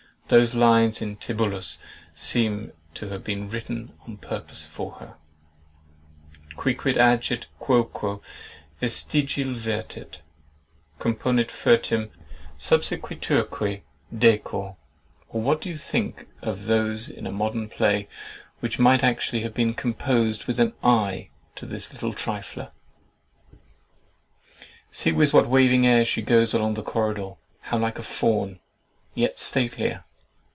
Those lines in Tibullus seem to have been written on purpose for her— Quicquid agit quoquo vestigià vertit, Componit furtim, subsequiturque decor. Or what do you think of those in a modern play, which might actually have been composed with an eye to this little trifler— —"See with what a waving air she goes Along the corridor. How like a fawn! Yet statelier.